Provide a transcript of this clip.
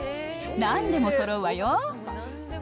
なんでもそろうわよ。